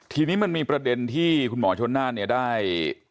ทีนี้มันมีประเด็นที่คุณหมอชนน่านเนี่ยได้